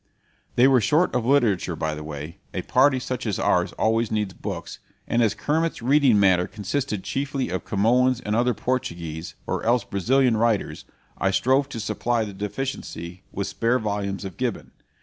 They were short of literature, by the way a party such as ours always needs books and as Kermit's reading matter consisted chiefly of Camoens and other Portuguese, or else Brazilian, writers, I strove to supply the deficiency with spare volumes of Gibbon.